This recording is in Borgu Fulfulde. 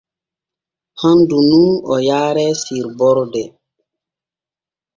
Handu nun o yaare sirborde.